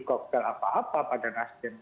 koktel apa apa pada nasdem